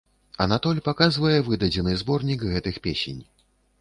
Анатоль паказвае выдадзены зборнік гэтых песень.